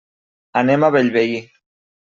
Anem a Bellvei.